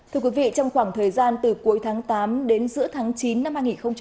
thưa quý vị trong khoảng thời gian từ cuối tháng tám đến giữa tháng chín năm hai nghìn hai mươi